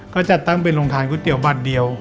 ก็จัดตั้งเป็นโรงทานก๋วยเตี๋ยวบัตรเดียว